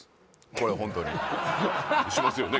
これホントにしますよね？